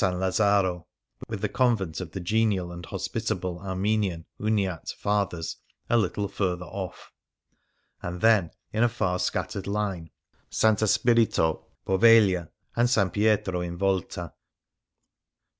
Lazzaro, with the convent of the genial and hospitable I02 The Lagoon Armenian (Uniat) Fathers a little further off, and then, in a far scattered line, S. Spirito, Poveglia, and S. Pietro in Volta.